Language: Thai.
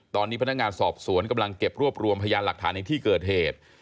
ตอนนี้พนักงานสอบสวนกำลังเก็บรวบรวมพยานหลักฐานในที่เกิดเหตุ